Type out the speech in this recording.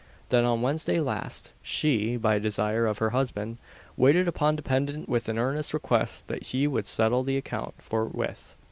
That on Wednesday last, she, by desire of her husband, waited upon defendant with an earnest request that he would settle the account forthwith.